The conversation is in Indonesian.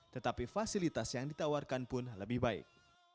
tetapi fasilitas yang ditawarkan pun lebih baik